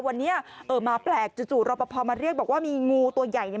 วันนี้หมาแปลกจู่รอปภมาเรียกบอกว่ามีงูตัวใหญ่